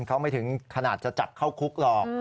เขาไม่ถึงขนาดจะจับเข้าคุกหรอก